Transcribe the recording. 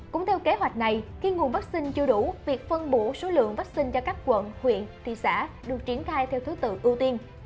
cũng theo kế hoạch này khi nguồn vaccine chưa đủ việc phân bổ số lượng vaccine cho các quận huyện thị xã được triển khai theo thứ tự ưu tiên